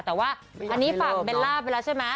แต่ว่าอันนี้ฝั่งเบลล่าไปแล้วใช่ไหม